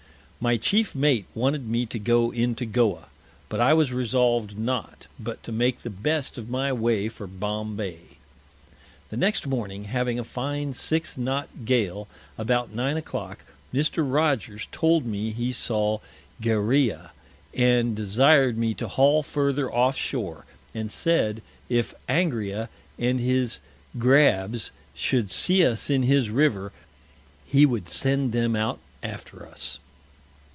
My Chief Mate wanted me to go into Goa, but I was resolved not, but to make the best of my Way for Bombay. The next Morning, having a fine Six Knot Gale, about Nine o' Clock Mr. Rogers told me, he saw Gereah, and desired me to haul further off Shore, and said, if Angria and his Grabbs should see us in his River, he would send them out after us.